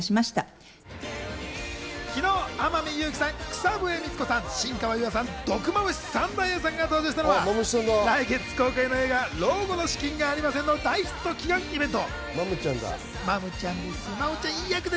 昨日、天海祐希さん、草笛光子さん、新川優愛さん、毒蝮三太夫さんが登場したのは来月公開の映画『老後の資金がありません！』の大ヒット祈願イベント。